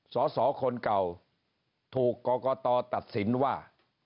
สสคนเก่าถูกกรกตตัดสินว่า